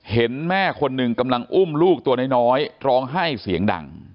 เห็นแม่คนหนึ่งกำลังอุ้มลูกตัวน้อยร้องไห้เสียงดัง